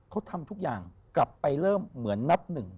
เขาทำทุกอย่างกลับไปเริ่มเหมือนนับหนึ่ง